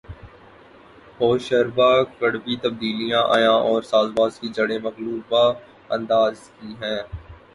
ہوشربا کڑوی تبدیلیاں عیاں اور سازباز کی جڑیں ملغوبہ انداز کی ہیں